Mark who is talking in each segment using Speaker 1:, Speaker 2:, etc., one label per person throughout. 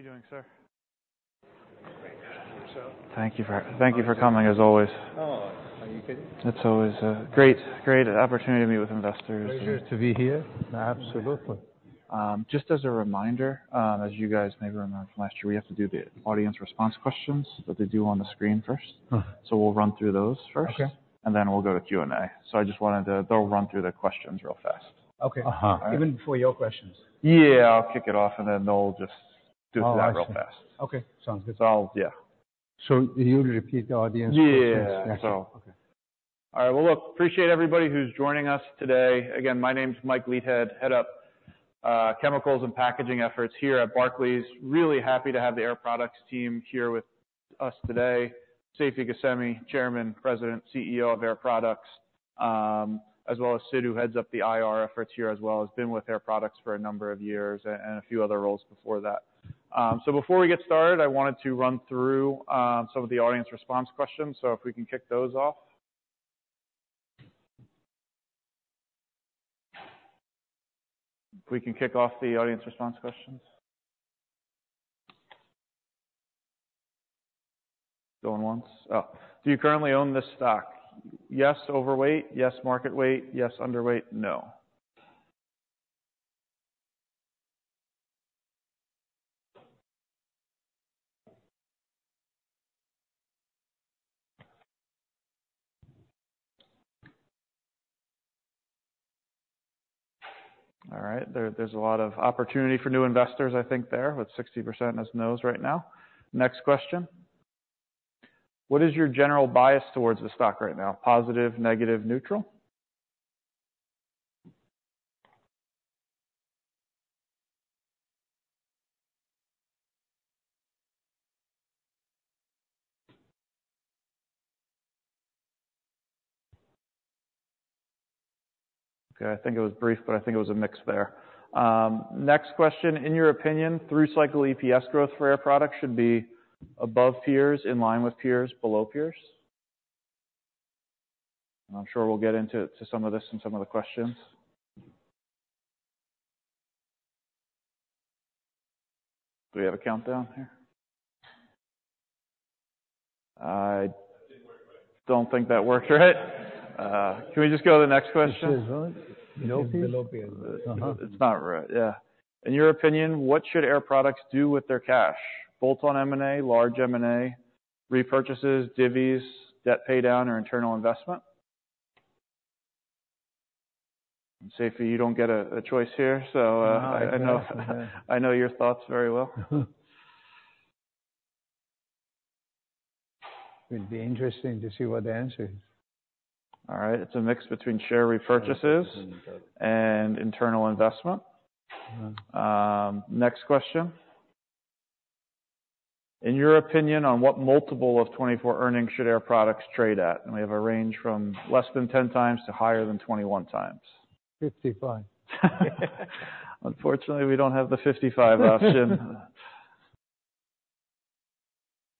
Speaker 1: How you doing, sir?
Speaker 2: Great. How about yourself?
Speaker 1: Thank you for coming, as always.
Speaker 2: Oh, are you kidding?
Speaker 1: It's always great, great opportunity to meet with investors.
Speaker 3: Pleasure to be here. Absolutely.
Speaker 1: Just as a reminder, as you guys maybe remember from last year, we have to do the audience response questions that they do on the screen first. We'll run through those first.
Speaker 3: Okay.
Speaker 1: And then we'll go to Q&A. So I just wanted to - they'll run through the questions real fast.
Speaker 3: Okay.
Speaker 2: Uh-huh. Even before your questions.
Speaker 1: Yeah, I'll kick it off, and then they'll just do through that real fast.
Speaker 3: Oh, okay. Sounds good.
Speaker 1: So, I'll yeah.
Speaker 3: You'll repeat the audience questions?
Speaker 1: All right. Well, look, appreciate everybody who's joining us today. Again, my name's Mike Leithead, head of chemicals and packaging efforts here at Barclays. Really happy to have the Air Products team here with us today. Seifi Ghasemi, chairman, president, CEO of Air Products, as well as Sidd, who heads up the IR efforts here as well, has been with Air Products for a number of years and a few other roles before that. So before we get started, I wanted to run through some of the audience response questions. So if we can kick those off. If we can kick off the audience response questions. Going once. Oh. Do you currently own this stock? Yes, overweight. Yes, market weight. Yes, underweight. No. All right. There's a lot of opportunity for new investors, I think, there with 60% no's right now. Next question. What is your general bias towards the stock right now? Positive, negative, neutral? Okay. I think it was brief, but I think it was a mix there. Next question. In your opinion, through-cycle EPS growth for Air Products should be above peers, in line with peers, below peers? And I'm sure we'll get into to some of this and some of the questions. Do we have a countdown here? I don't think that worked right. Can we just go to the next question?
Speaker 3: It says, below peers.
Speaker 2: Below peers. Uh-huh.
Speaker 1: It's not right. Yeah. In your opinion, what should Air Products do with their cash? Bolt-on M&A, large M&A, repurchases, divis, debt paydown, or internal investment? And Seifi, you don't get a choice here, so, I know I know your thoughts very well.
Speaker 3: It'd be interesting to see what the answer is.
Speaker 1: All right. It's a mix between share repurchases and internal investment. Next question. In your opinion, on what multiple of 2024 earnings should Air Products trade at? And we have a range from less than 10x to higher than 21x.
Speaker 3: 55.
Speaker 1: Unfortunately, we don't have the 55 option.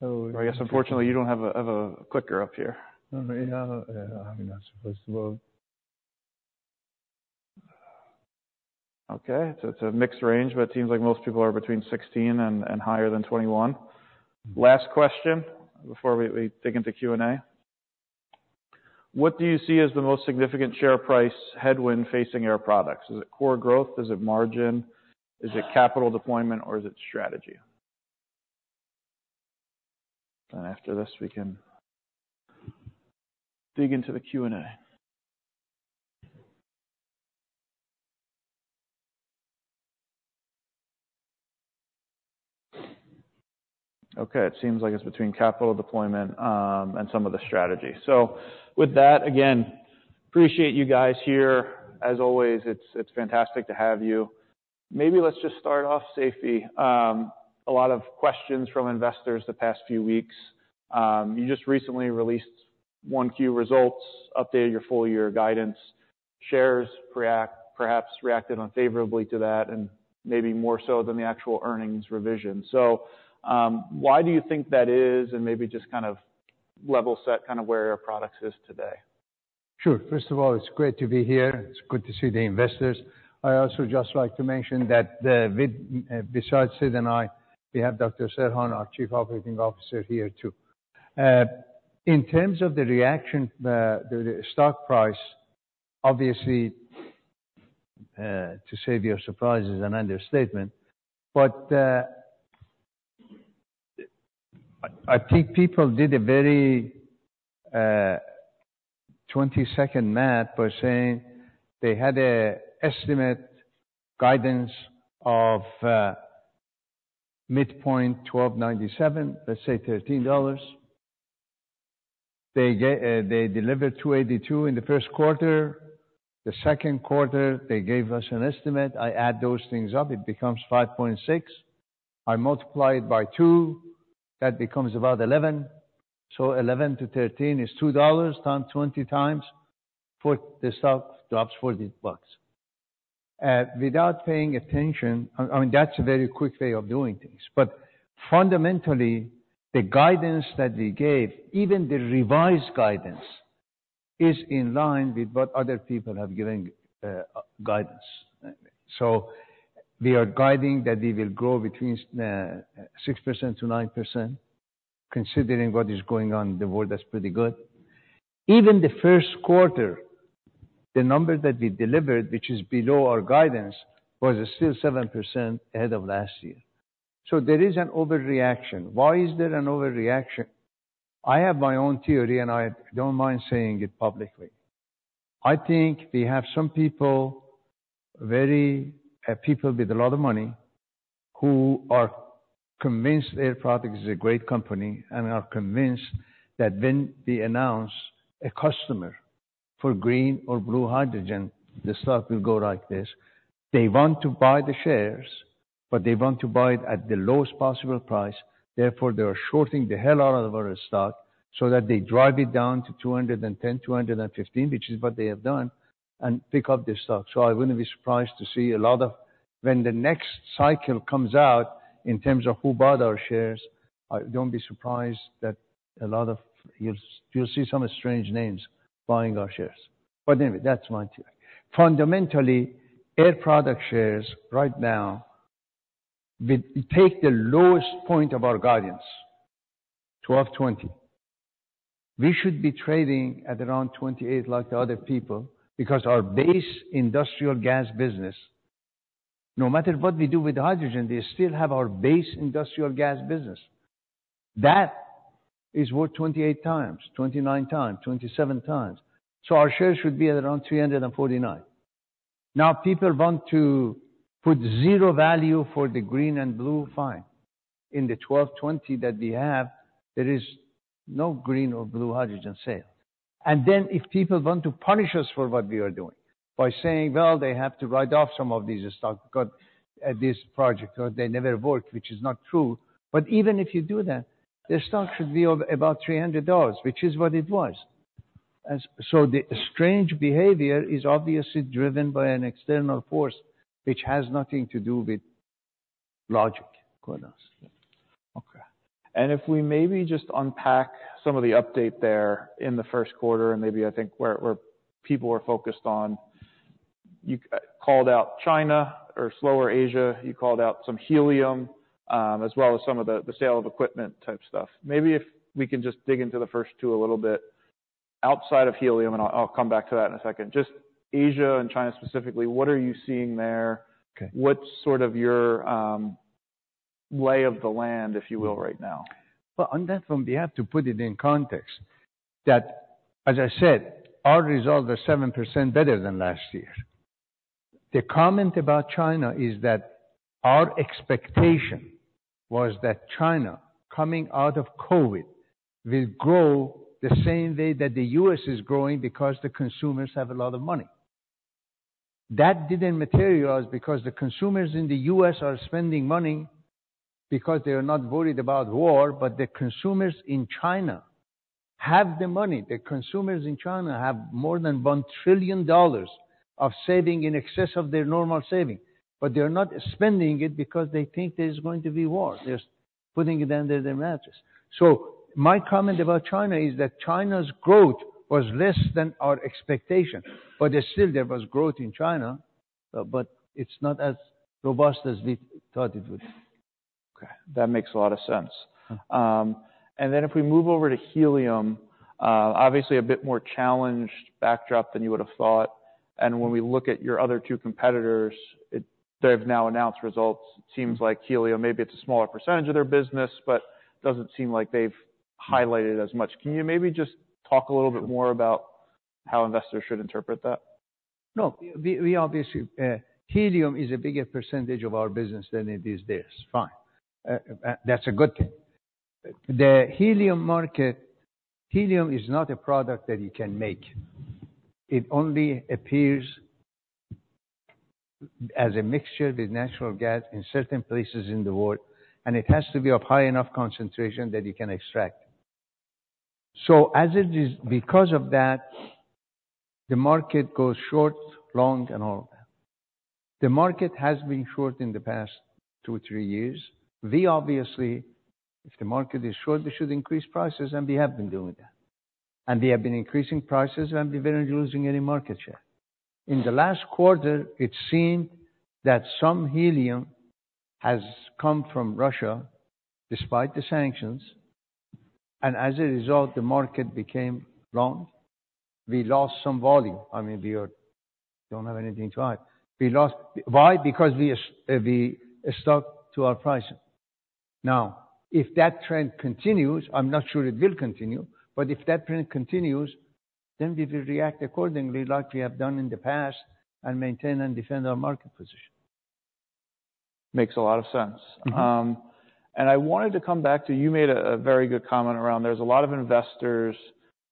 Speaker 3: Oh.
Speaker 1: Or I guess, unfortunately, you don't have a clicker up here.
Speaker 3: Oh, yeah. Yeah. I mean, that's supposed to work.
Speaker 1: Okay. So it's a mixed range, but it seems like most people are between 16 and higher than 21. Last question before we dig into Q&A. What do you see as the most significant share price headwind facing Air Products? Is it core growth? Is it margin? Is it capital deployment? Or is it strategy? And after this, we can dig into the Q&A. Okay. It seems like it's between capital deployment and some of the strategy. So with that, again, appreciate you guys here. As always, it's fantastic to have you. Maybe let's just start off, Seifi. A lot of questions from investors the past few weeks. You just recently released 1Q results, updated your full-year guidance. Shares perhaps reacted unfavorably to that and maybe more so than the actual earnings revision. Why do you think that is and maybe just kind of level set kind of where Air Products is today?
Speaker 3: Sure. First of all, it's great to be here. It's good to see the investors. I also just like to mention that, with, besides Sidd and I, we have Dr. Serhan, our Chief Operating Officer, here too. In terms of the reaction, the stock price, obviously, to say your surprises, an understatement, but I think people did a very 20-second math by saying they had an estimate guidance of midpoint 12.97, let's say $13. They delivered 2.82 in the first quarter. The second quarter, they gave us an estimate. I add those things up. It becomes 5.6. I multiply it by 2. That becomes about 11. So 11 to 13 is $2 times 20 times. For the stock drops $40 without paying attention. I mean, that's a very quick way of doing things. But fundamentally, the guidance that we gave, even the revised guidance, is in line with what other people have given, guidance. So we are guiding that we will grow between 6%-9% considering what is going on in the world that's pretty good. Even the first quarter, the number that we delivered, which is below our guidance, was still 7% ahead of last year. So there is an overreaction. Why is there an overreaction? I have my own theory, and I don't mind saying it publicly. I think we have some people very, people with a lot of money who are convinced Air Products is a great company and are convinced that when we announce a customer for green or blue hydrogen, the stock will go like this. They want to buy the shares, but they want to buy it at the lowest possible price. Therefore, they are shorting the hell out of our stock so that they drive it down to $210-$215, which is what they have done, and pick up the stock. So I wouldn't be surprised to see a lot of when the next cycle comes out in terms of who bought our shares, I don't be surprised that a lot of you'll, you'll see some strange names buying our shares. But anyway, that's my theory. Fundamentally, Air Products shares right now would take the lowest point of our guidance, $12.20. We should be trading at around 28x like the other people because our base industrial gas business no matter what we do with hydrogen, they still have our base industrial gas business. That is worth 28x, 29x, 27x. So our shares should be at around $349. Now, people want to put zero value for the green and blue. Fine. In the 12.20 that we have, there is no green or blue hydrogen sale. And then if people want to punish us for what we are doing by saying, "Well, they have to write off some of these stocks because, this project or they never work," which is not true. But even if you do that, their stock should be of about $300, which is what it was. And so the strange behavior is obviously driven by an external force which has nothing to do with logic, quote, unquote.
Speaker 1: Okay. If we maybe just unpack some of the update there in the first quarter and maybe, I think, where, where people were focused on, you called out China or slower Asia. You called out some helium, as well as some of the, the sale of equipment type stuff. Maybe if we can just dig into the first two a little bit outside of helium, and I'll, I'll come back to that in a second. Just Asia and China specifically, what are you seeing there?
Speaker 3: Okay.
Speaker 1: What's sort of your lay of the land, if you will, right now?
Speaker 3: Well, on that front, we have to put it in context that, as I said, our results are 7% better than last year. The comment about China is that our expectation was that China coming out of COVID will grow the same way that the U.S. is growing because the consumers have a lot of money. That didn't materialize because the consumers in the U.S. are spending money because they are not worried about war, but the consumers in China have the money. The consumers in China have more than $1 trillion of saving in excess of their normal saving, but they are not spending it because they think there is going to be war. They're putting it under their mattress. So, my comment about China is that China's growth was less than our expectation, but still, there was growth in China, but it's not as robust as we thought it would be.
Speaker 1: Okay. That makes a lot of sense. And then if we move over to helium, obviously a bit more challenged backdrop than you would have thought. And when we look at your other two competitors, they've now announced results. It seems like helium maybe it's a smaller percentage of their business, but it doesn't seem like they've highlighted as much. Can you maybe just talk a little bit more about how investors should interpret that?
Speaker 3: No. We, we obviously, helium is a bigger percentage of our business than it is theirs. Fine. That's a good thing. The helium market, helium is not a product that you can make. It only appears as a mixture with natural gas in certain places in the world, and it has to be of high enough concentration that you can extract. So, as it is because of that, the market goes short, long, and all of that. The market has been short in the past two, three years. We obviously, if the market is short, we should increase prices, and we have been doing that. And we have been increasing prices, and we weren't losing any market share. In the last quarter, it seemed that some helium has come from Russia despite the sanctions. And as a result, the market became long. We lost some volume. I mean, we don't have anything to hide. We lost why? Because we stuck to our pricing. Now, if that trend continues, I'm not sure it will continue, but if that trend continues, then we will react accordingly like we have done in the past and maintain and defend our market position.
Speaker 1: Makes a lot of sense. I wanted to come back to, you made a very good comment around there's a lot of investors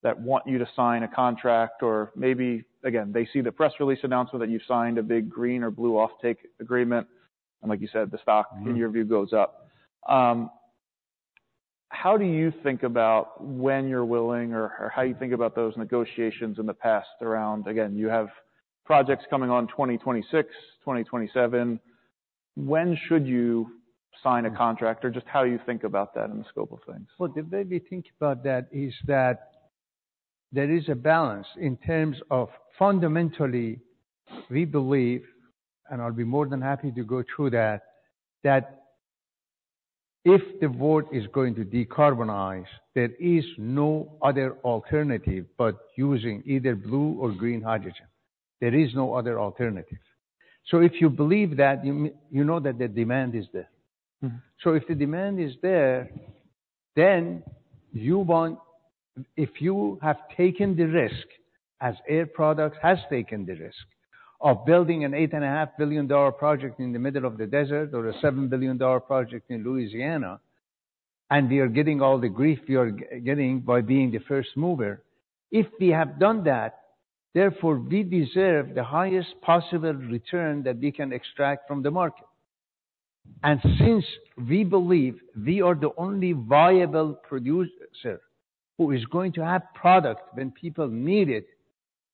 Speaker 1: that want you to sign a contract or maybe, again, they see the press release announcement that you've signed a big green or blue offtake agreement, and like you said, the stock, in your view, goes up. How do you think about when you're willing or how you think about those negotiations in the past around again, you have projects coming on 2026, 2027. When should you sign a contract or just how you think about that in the scope of things?
Speaker 3: Well, the way we think about that is that there is a balance in terms of fundamentally, we believe, and I'll be more than happy to go through that, that if the world is going to decarbonize, there is no other alternative but using either blue or green hydrogen. There is no other alternative. So if you believe that, you mean you know that the demand is there. So if the demand is there, then you want if you have taken the risk as Air Products has taken the risk of building an $8.5 billion project in the middle of the desert or a $7 billion project in Louisiana, and we are getting all the grief we are getting by being the first mover, if we have done that, therefore, we deserve the highest possible return that we can extract from the market. And since we believe we are the only viable producer who is going to have product when people need it,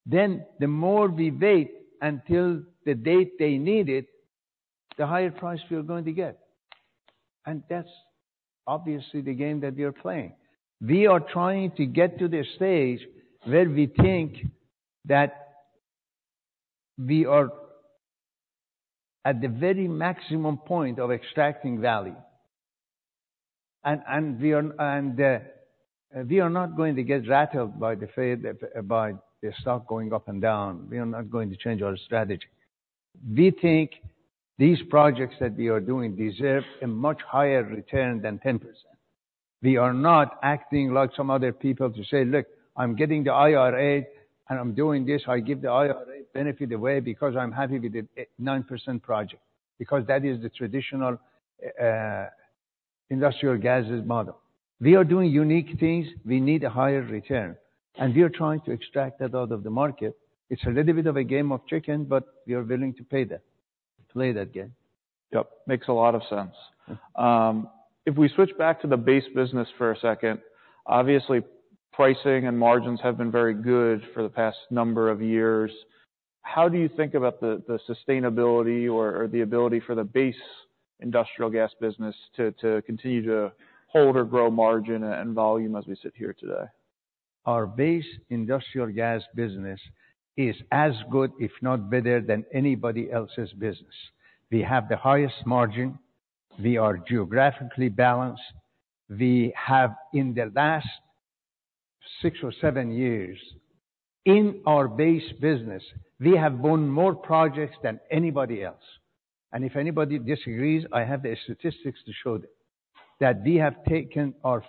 Speaker 3: then the more we wait until the date they need it, the higher price we are going to get. And that's obviously the game that we are playing. We are trying to get to the stage where we think that we are at the very maximum point of extracting value. And we are not going to get rattled by the failure by the stock going up and down. We are not going to change our strategy. We think these projects that we are doing deserve a much higher return than 10%. We are not acting like some other people to say, "Look, I'm getting the IRA, and I'm doing this. I give the IRA benefit away because I'm happy with the 9% project," because that is the traditional, industrial gases model. We are doing unique things. We need a higher return. And we are trying to extract that out of the market. It's a little bit of a game of chicken, but we are willing to pay that play that game.
Speaker 1: Yep. Makes a lot of sense. If we switch back to the base business for a second, obviously, pricing and margins have been very good for the past number of years. How do you think about the sustainability or the ability for the base industrial gas business to continue to hold or grow margin and volume as we sit here today?
Speaker 3: Our base industrial gas business is as good, if not better, than anybody else's business. We have the highest margin. We are geographically balanced. We have in the last 6 or 7 years, in our base business, we have won more projects than anybody else. And if anybody disagrees, I have the statistics to show that we have taken far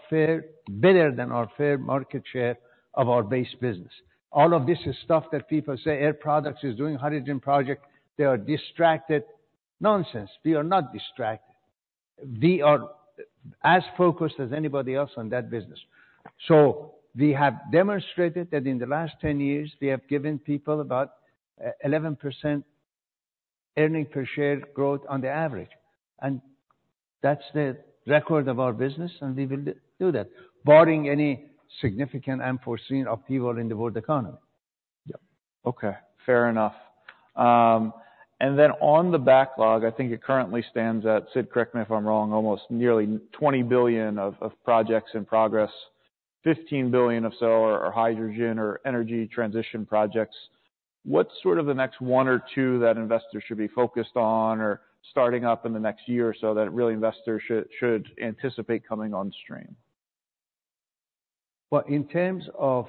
Speaker 3: better than our fair market share of our base business. All of this is stuff that people say Air Products is doing hydrogen project. They are distracted. Nonsense. We are not distracted. We are as focused as anybody else on that business. So we have demonstrated that in the last 10 years, we have given people about 11% earnings per share growth on the average. And that's the record of our business, and we will do that, barring any significant unforeseen upheaval in the world economy.
Speaker 1: Yep. Okay. Fair enough. And then on the backlog, I think it currently stands at, Sidd, correct me if I'm wrong, almost nearly $20 billion of projects in progress, $15 billion or so are hydrogen or energy transition projects. What's sort of the next one or two that investors should be focused on or starting up in the next year or so that really investors should anticipate coming on stream?
Speaker 2: Well, in terms of,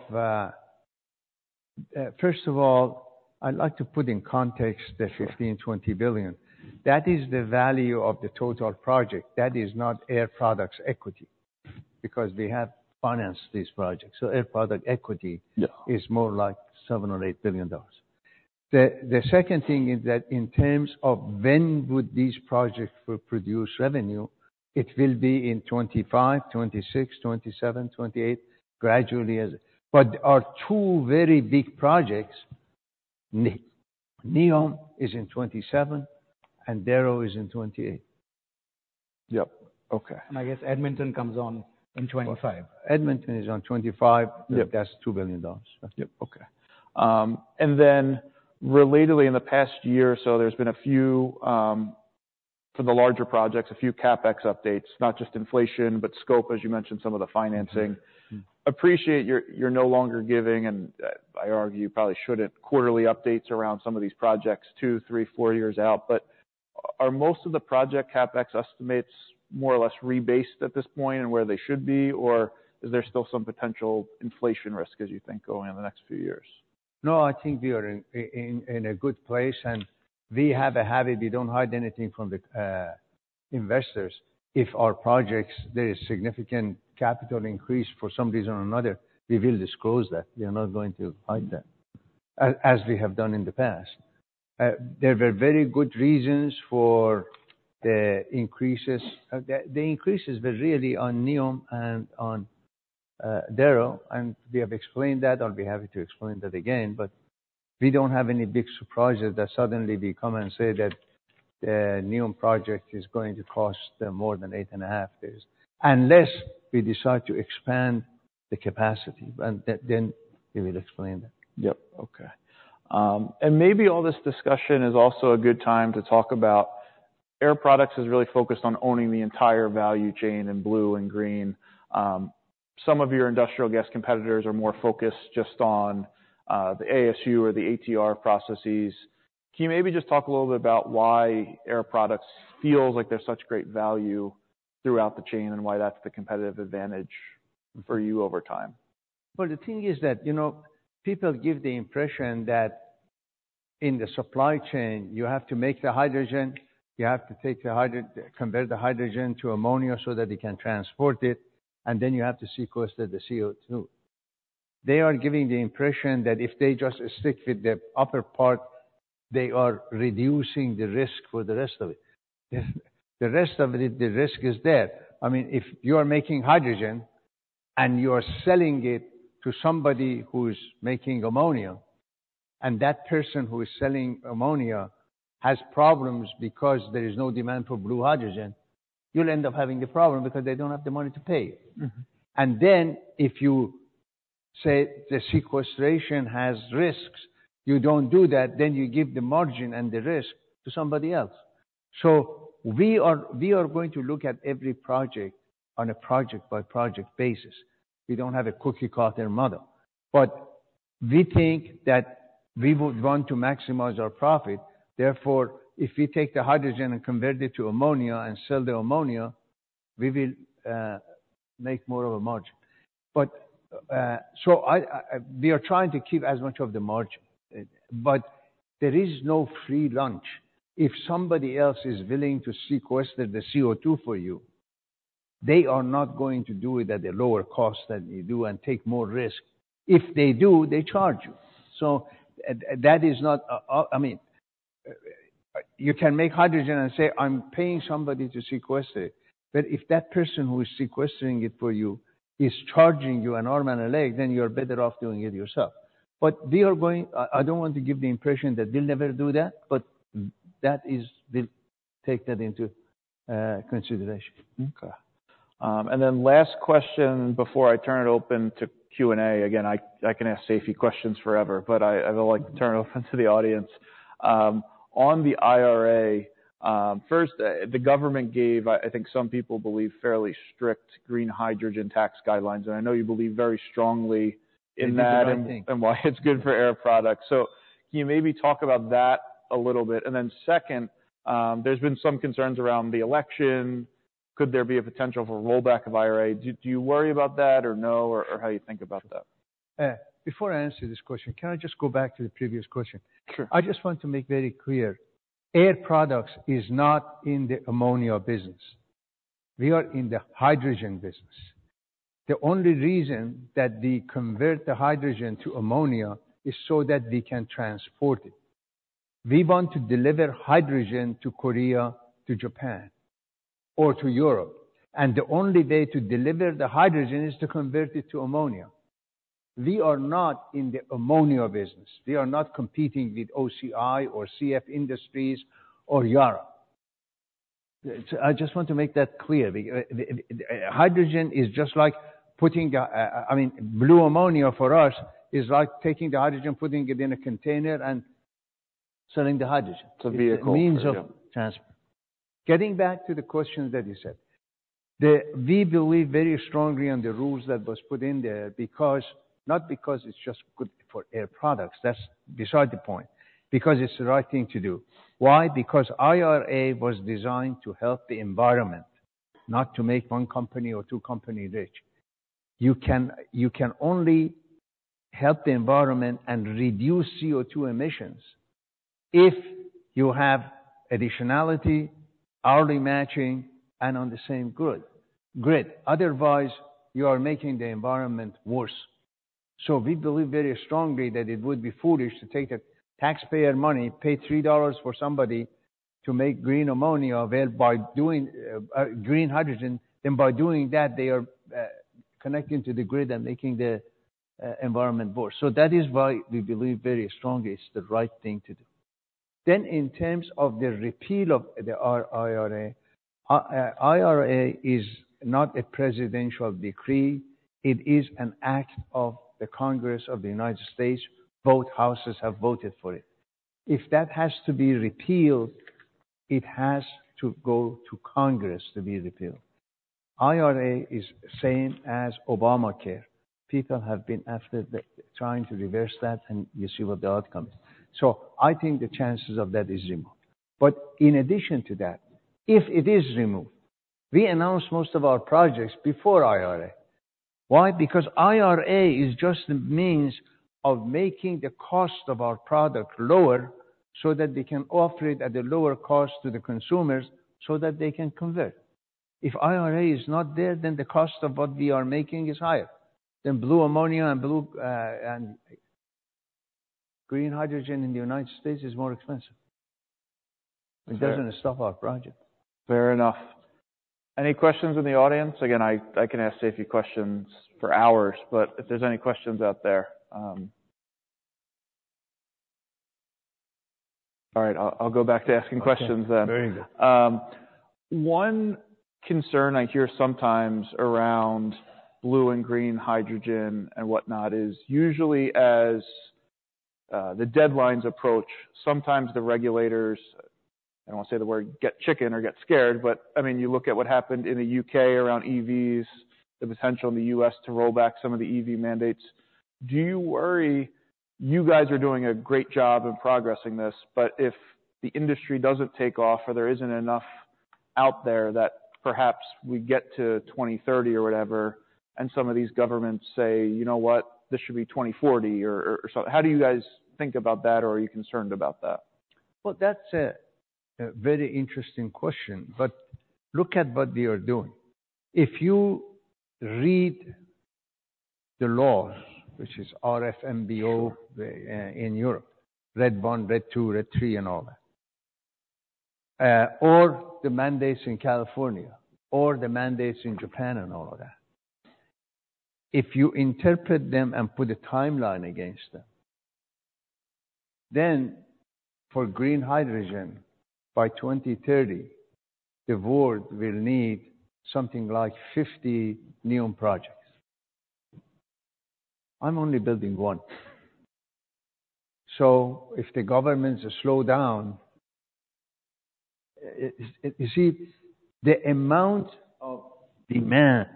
Speaker 2: first of all, I'd like to put in context the $15-$20 billion. That is the value of the total project. That is not Air Products equity because we have financed these projects. So Air Products equity is more like $7-$8 billion. The, the second thing is that in terms of when would these projects produce revenue, it will be in 2025, 2026, 2027, 2028, gradually as but our two very big projects, NEOM is in 2027, and Darrow is in 2028.
Speaker 1: Yep. Okay.
Speaker 2: I guess Edmonton comes on in 2025. Edmonton is on 2025. That's $2 billion.
Speaker 1: Yep. Okay. And then, relatedly, in the past year or so, there's been a few, for the larger projects, a few CapEx updates, not just inflation, but scope, as you mentioned, some of the financing. Appreciate you're, you're no longer giving, and I argue you probably shouldn't, quarterly updates around some of these projects 2, 3, 4 years out. But are most of the project CapEx estimates more or less rebased at this point and where they should be, or is there still some potential inflation risk, as you think, going on the next few years?
Speaker 3: No, I think we are in a good place. We have a habit we don't hide anything from the investors. If our projects there is significant capital increase for some reason or another, we will disclose that. We are not going to hide that, as we have done in the past. There were very good reasons for the increases. The increases were really on NEOM and on Darrow. We have explained that. I'll be happy to explain that again. But we don't have any big surprises that suddenly we come and say that the NEOM project is going to cost more than 8.5 years unless we decide to expand the capacity. Then we will explain that.
Speaker 1: Yep. Okay. And maybe all this discussion is also a good time to talk about Air Products is really focused on owning the entire value chain in blue and green. Some of your industrial gas competitors are more focused just on the ASU or the ATR processes. Can you maybe just talk a little bit about why Air Products feels like they're such great value throughout the chain and why that's the competitive advantage for you over time?
Speaker 3: Well, the thing is that, you know, people give the impression that in the supply chain, you have to make the hydrogen. You have to take the hydrogen convert the hydrogen to ammonia so that you can transport it, and then you have to sequester the CO2. They are giving the impression that if they just stick with the upper part, they are reducing the risk for the rest of it. The rest of it, the risk is there. I mean, if you are making hydrogen and you are selling it to somebody who's making ammonia, and that person who is selling ammonia has problems because there is no demand for blue hydrogen, you'll end up having the problem because they don't have the money to pay it. Then if you say the sequestration has risks, you don't do that, then you give the margin and the risk to somebody else. So we are going to look at every project on a project-by-project basis. We don't have a cookie-cutter model. But we think that we would want to maximize our profit. Therefore, if we take the hydrogen and convert it to ammonia and sell the ammonia, we will make more of a margin. But we are trying to keep as much of the margin. But there is no free lunch. If somebody else is willing to sequester the CO2 for you, they are not going to do it at a lower cost than you do and take more risk. If they do, they charge you. So that is not. I mean, you can make hydrogen and say, "I'm paying somebody to sequester it." But if that person who is sequestering it for you is charging you an arm and a leg, then you are better off doing it yourself. But we are going. I don't want to give the impression that we'll never do that, but that is. We'll take that into consideration.
Speaker 1: Okay. And then last question before I turn it open to Q&A. Again, I, I can ask Seifi questions forever, but I, I would like to turn it open to the audience. On the IRA, first, the government gave, I think some people believe, fairly strict green hydrogen tax guidelines. And I know you believe very strongly in that and why it's good for Air Products. So can you maybe talk about that a little bit? And then second, there's been some concerns around the election. Could there be a potential for rollback of IRA? Do, do you worry about that or no or, or how you think about that?
Speaker 3: Before I answer this question, can I just go back to the previous question?
Speaker 1: Sure.
Speaker 3: I just want to make very clear, Air Products is not in the ammonia business. We are in the hydrogen business. The only reason that we convert the hydrogen to ammonia is so that we can transport it. We want to deliver hydrogen to Korea, to Japan, or to Europe. The only way to deliver the hydrogen is to convert it to ammonia. We are not in the ammonia business. We are not competing with OCI or CF Industries or Yara. I just want to make that clear. Hydrogen is just like, I mean, blue ammonia for us is like taking the hydrogen, putting it in a container, and selling the hydrogen.
Speaker 1: The vehicle.
Speaker 3: It's a means of transfer. Getting back to the questions that you said, we believe very strongly on the rules that was put in there because not because it's just good for Air Products. That's beside the point because it's the right thing to do. Why? Because IRA was designed to help the environment, not to make one company or two companies rich. You can only help the environment and reduce CO2 emissions if you have additionality, hourly matching, and on the same grid. Otherwise, you are making the environment worse. So we believe very strongly that it would be foolish to take the taxpayer money, pay $3 for somebody to make green ammonia available by doing green hydrogen. Then by doing that, they are connecting to the grid and making the environment worse. That is why we believe very strongly it's the right thing to do. In terms of the repeal of the IRA, IRA is not a presidential decree. It is an act of the Congress of the United States. Both houses have voted for it. If that has to be repealed, it has to go to Congress to be repealed. IRA is the same as Obamacare. People have been after trying to reverse that, and you see what the outcome is. So I think the chances of that is removed. In addition to that, if it is removed, we announced most of our projects before IRA. Why? Because IRA is just the means of making the cost of our product lower so that we can offer it at a lower cost to the consumers so that they can convert. If IRA is not there, then the cost of what we are making is higher. Then blue ammonia and blue, and green hydrogen in the United States is more expensive. It doesn't stop our project.
Speaker 1: Fair enough. Any questions in the audience? Again, I, I can ask Seifi questions for hours, but if there's any questions out there, all right, I'll, I'll go back to asking questions then. One concern I hear sometimes around blue and green hydrogen and whatnot is usually as the deadlines approach, sometimes the regulators, I don't want to say the word, get chicken or get scared, but I mean, you look at what happened in the U.K. around EVs, the potential in the U.S. to roll back some of the EV mandates. Do you worry you guys are doing a great job in progressing this, but if the industry doesn't take off or there isn't enough out there that perhaps we get to 2030 or whatever, and some of these governments say, "You know what? This should be 2040," or, or, or something? How do you guys think about that, or are you concerned about that?
Speaker 3: Well, that's a very interesting question. But look at what they are doing. If you read the laws, which is RFNBO in Europe, RED I, RED II, RED III, and all that, or the mandates in California or the mandates in Japan and all of that, if you interpret them and put a timeline against them, then for green hydrogen by 2030, the world will need something like 50 NEOM projects. I'm only building one. So if the governments slow down, you see, the amount of demand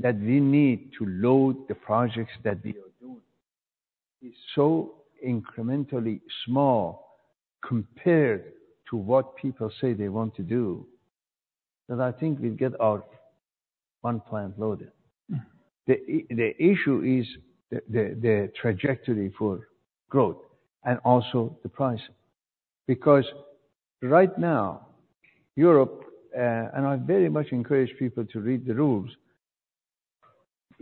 Speaker 3: that we need to load the projects that we are doing is so incrementally small compared to what people say they want to do that I think we'll get our one plant loaded. The issue is the trajectory for growth and also the price. Because right now, Europe, and I very much encourage people to read the rules,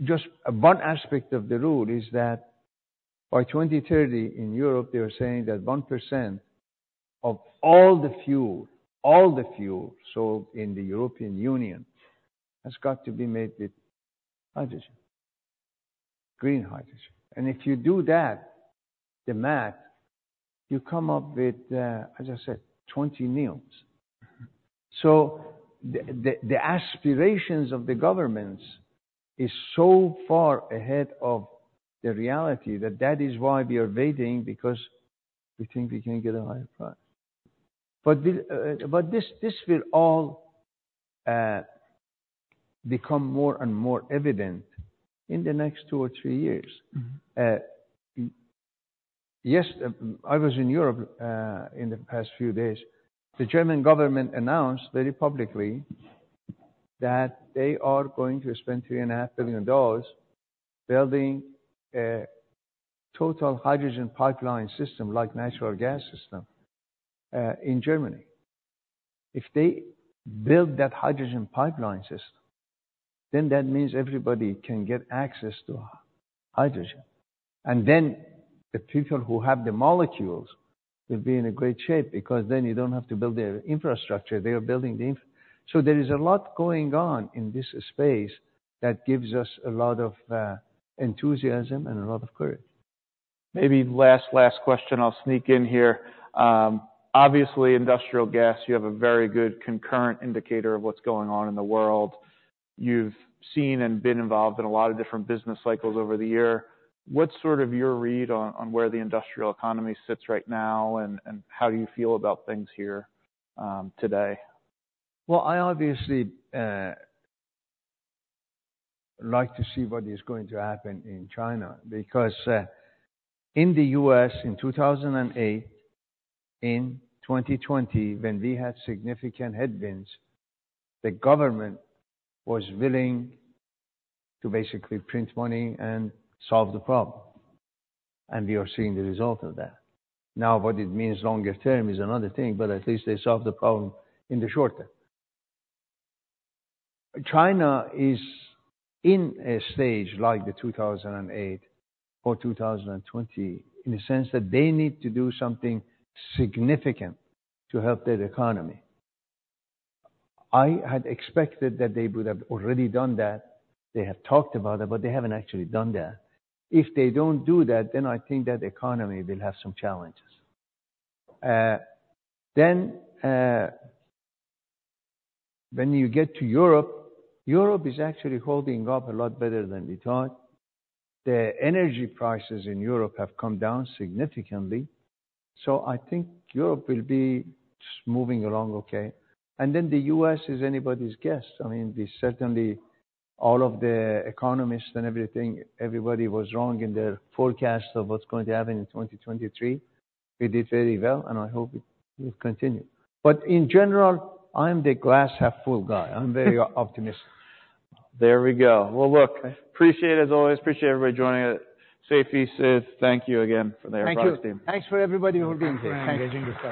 Speaker 3: just one aspect of the rule is that by 2030 in Europe, they are saying that 1% of all the fuel, all the fuel sold in the European Union has got to be made with hydrogen, green hydrogen. And if you do that, the math, you come up with, as I said, 20 NEOMs. So the aspirations of the governments are so far ahead of the reality that that is why we are waiting because we think we can get a higher price. But this, this will all become more and more evident in the next two or three years. Yes, I was in Europe in the past few days. The German government announced very publicly that they are going to spend $3.5 billion building a total hydrogen pipeline system like a natural gas system in Germany. If they build that hydrogen pipeline system, then that means everybody can get access to hydrogen. Then the people who have the molecules will be in a great shape because then you don't have to build the infrastructure. They are building the infrastructure. There is a lot going on in this space that gives us a lot of enthusiasm and a lot of courage.
Speaker 1: Maybe last, last question. I'll sneak in here. Obviously, industrial gas, you have a very good concurrent indicator of what's going on in the world. You've seen and been involved in a lot of different business cycles over the year. What's sort of your read on where the industrial economy sits right now, and how do you feel about things here today?
Speaker 3: Well, I obviously like to see what is going to happen in China because in the U.S., in 2008, in 2020, when we had significant headwinds, the government was willing to basically print money and solve the problem. And we are seeing the result of that. Now, what it means longer term is another thing, but at least they solved the problem in the short term. China is in a stage like the 2008 or 2020 in the sense that they need to do something significant to help their economy. I had expected that they would have already done that. They have talked about it, but they haven't actually done that. If they don't do that, then I think that economy will have some challenges. Then when you get to Europe, Europe is actually holding up a lot better than we thought. The energy prices in Europe have come down significantly. So I think Europe will be moving along okay. And then the U.S. is anybody's guest. I mean, we certainly all of the economists and everything, everybody was wrong in their forecast of what's going to happen in 2023. We did very well, and I hope it will continue. But in general, I'm the glass-half-full guy. I'm very optimistic.
Speaker 1: There we go. Well, look, appreciate it as always. Appreciate everybody joining us. Seifi, Sidd, thank you again for the Air Products team.
Speaker 3: Thank you. Thanks for everybody who's being here. Thanks.